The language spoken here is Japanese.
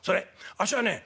あっしはね